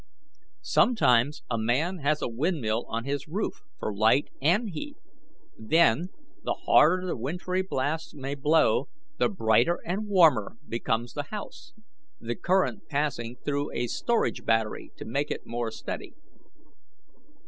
Sometimes a man has a windmill on his roof for light and heat; then, the harder the wintry blasts may blow the brighter and warmer becomes the house, the current passing through a storage battery to make it more steady.